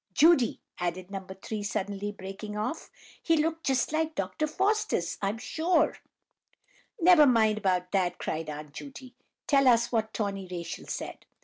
"Judy!" added No. 3, breaking suddenly off; "he looked just like Dr. Faustus, I'm sure!" "Never mind about that," cried Aunt Judy. "Tell us what Tawny Rachel said."